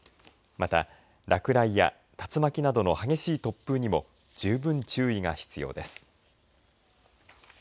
また、落雷や竜巻などの激しい突風にも十分注意が必要です。